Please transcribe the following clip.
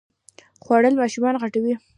خوړل ماشوم غټوي